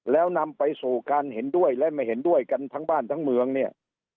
แล้วนำไปสู่การเห็นด้วยและไม่เห็นด้วยกันทั้งบ้านทั้งเมืองเนี่ย